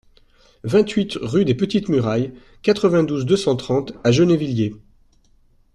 vingt-huit rue des Petites Murailles, quatre-vingt-douze, deux cent trente à Gennevilliers